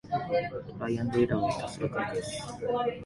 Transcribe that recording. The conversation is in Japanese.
トライアンドエラーをひたすらくりかえす